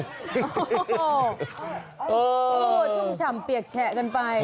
ชุมฉ่ำเปียกแฉะกันไป